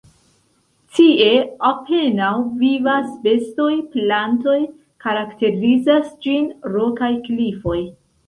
Tie apenaŭ vivas bestoj, plantoj, karakterizas ĝin rokaj klifoj.